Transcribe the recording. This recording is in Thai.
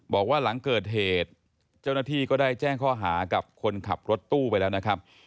บอกว่าหลังเกิดเหตุเจ้าหน้าที่ก็ได้แจ้งข้อหากับคนขับรถตู้ไปแล้วนะครับ